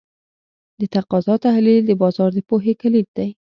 د تقاضا تحلیل د بازار د پوهې کلید دی.